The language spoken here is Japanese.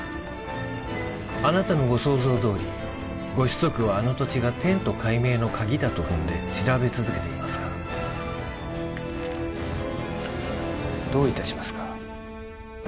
あなたのご想像どおりご子息はあの土地がテント解明のカギだと踏んで調べ続けていますがどういたしますか？